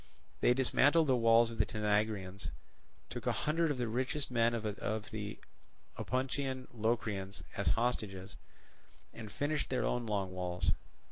They dismantled the walls of the Tanagraeans, took a hundred of the richest men of the Opuntian Locrians as hostages, and finished their own long walls.